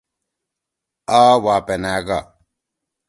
آ واپنأ گا۔